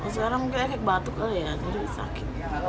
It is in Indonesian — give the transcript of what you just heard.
sekarang mungkin sakit batuk aja jadi sakit